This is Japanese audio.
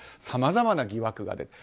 さまざまな疑惑がある。